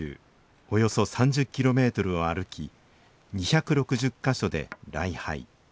およそ３０キロメートルを歩き２６０か所で礼拝。